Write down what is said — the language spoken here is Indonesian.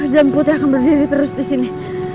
dan putri akan berdiri terus di sini